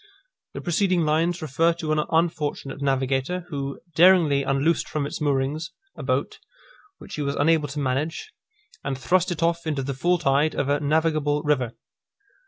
The preceding lines refer to an unfortunate navigator, who daringly unloosed from its moorings a boat, which he was unable to manage, and thrust it off into the full tide of a navigable river.